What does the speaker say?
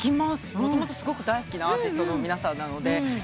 もともとすごく大好きなアーティストの皆さんなのでよく聴いてたりとか。